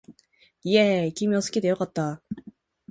イェーイ君を好きで良かった